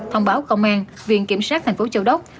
thông báo công an viện kiểm sát thành phố châu đốc